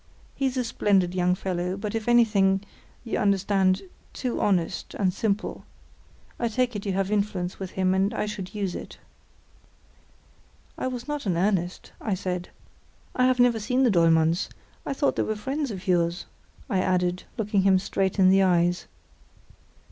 He's a splendid young fellow, but if anything—you understand—too honest and simple. I take it you have influence with him, and I should use it." "I was not in earnest," I said. "I have never seen the Dollmanns; I thought they were friends of yours," I added, looking him straight in the eyes.